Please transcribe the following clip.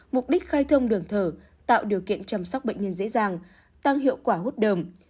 mục đích khai thông đường thở tạo điều kiện chăm sóc bệnh nhân dễ dàng tăng hiệu quả hút đồng